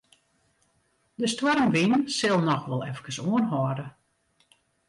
De stoarmwyn sil noch wol efkes oanhâlde.